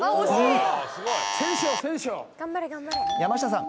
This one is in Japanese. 山下さん